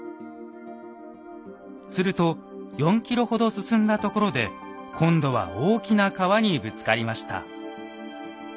すると４ｋｍほど進んだところで今度は大きな川にぶつかりました。